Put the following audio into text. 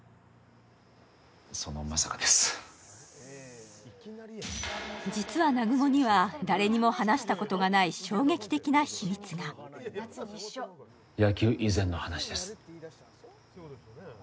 そのまさかです実は南雲には誰にも話したことがない野球以前の話です